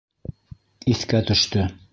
— Иҫкә төштө.